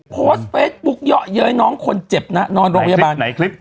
โพสต์เฟซบุ๊กเยอะเย้น้องคนเจ็บนะนอนโรงพยาบาล